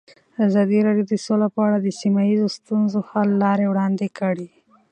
ازادي راډیو د سوله په اړه د سیمه ییزو ستونزو حل لارې راوړاندې کړې.